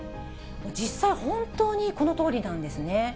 実際、本当にこのとおりなんですね。